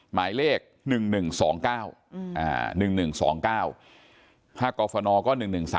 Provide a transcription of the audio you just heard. หมายเลข๑๑๒๙ค่ากรฟนก็๑๑๓๐